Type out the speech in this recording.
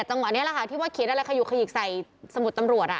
จังหวะนี้แหละค่ะที่ว่าเขียนอะไรขยุกขยิกใส่สมุดตำรวจ